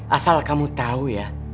asal kamu tau ya